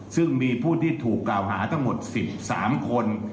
ซึ่งมีผู้ที่ถูกกล่าวหาทั้งหมด๑๓คน